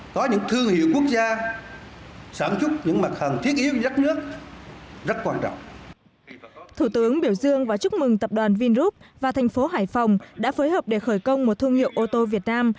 thủ tướng biểu dương và chúc mừng tập đoàn vingroup và thành phố hải phòng đã phối hợp để khởi công một thương hiệu ô tô việt nam